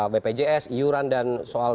bpjs iuran dan soal